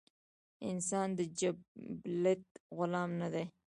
انسان د جبلت غلام نۀ دے